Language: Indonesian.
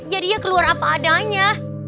jadi ya keluar apa adanya